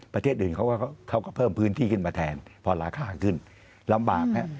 ประเทศอื่นเขาก็เขาก็เพิ่มพื้นที่ขึ้นมาแทนพอราคาขึ้นลำบากฮะ